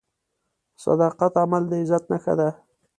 د صداقت عمل د عزت نښه ده.